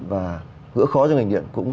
và gỡ khó cho ngành điện cũng